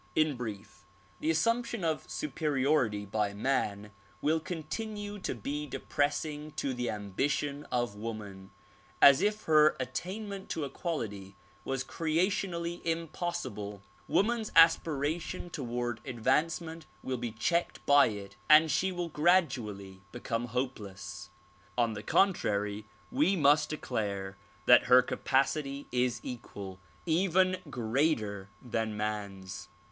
In brief, the assumption of superiority by man will continue to be depressing to the ambition of woman, as if her attainment to equality was creationally impossible; woman's aspira tion toward advancement will be checked by it and she will grad ually become hopeless. On the contrary, we must declare that her capacity is equal, even greater than man's.